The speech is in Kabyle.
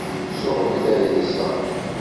Ssuɣlet aḍṛis-a.